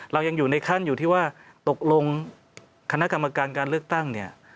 เรายังอยู่ในขั้นอยู่ที่ว่าตกลงคณะกรรมการการเลือกตั้งเนี่ย